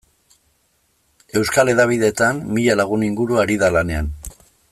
Euskal hedabideetan mila lagun inguru ari da lanean.